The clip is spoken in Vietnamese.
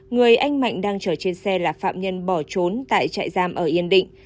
người anh mạnh đang chở trên xe là phạm nhân bỏ trốn tại trại giam ở yên định